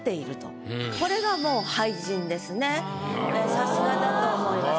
さすがだと思います。